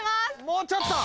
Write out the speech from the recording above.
もうちょっと。